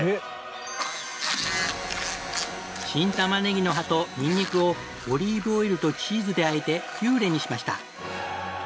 新たまねぎの葉とニンニクをオリーブオイルとチーズであえてピューレにしました。